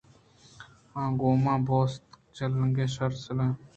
آ گوٛمے پوست ءِ چیلینگ ءَ شر سَلِے وَلِے اَت ءُ وتی دل ءَ وش کنگ ءَ اَت